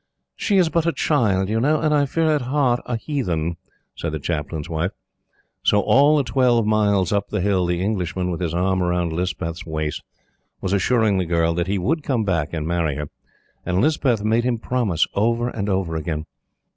"She is but a child, you know, and, I fear, at heart a heathen," said the Chaplain's wife. So all the twelve miles up the hill the Englishman, with his arm around Lispeth's waist, was assuring the girl that he would come back and marry her; and Lispeth made him promise over and over again.